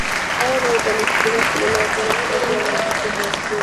ryan white alifukuzwa shuleni kwa sababu ya maambukizi ya ukimwi